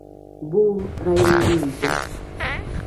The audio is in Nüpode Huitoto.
¿Buu raɨre riilla?